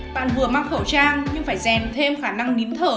bạn vừa mang khẩu trang nhưng phải rèn thêm khả năng nín thở